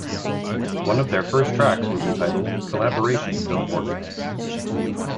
One of their first tracks was entitled "Collaborations Don't Work".